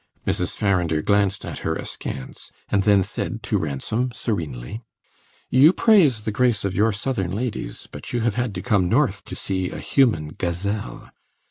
Mrs. Farrinder glanced at her askance, and then said to Ransom serenely: "You praise the grace of your Southern ladies, but you have had to come North to see a human gazelle.